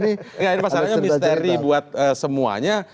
ini masalahnya misteri buat semuanya